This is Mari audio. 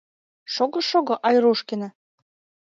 Шого, шого, Айрушкина...